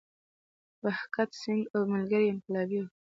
بهګت سینګ او ملګري یې انقلابي وو.